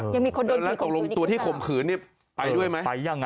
ยังมีคนโดนผีคุณคุณค่ะแล้วตกลงตัวที่ข่มขืนไปด้วยไหมไปยัง